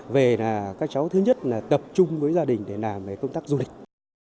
và các cháu thứ nhất là tập trung với gia đình để làm công tác du lịch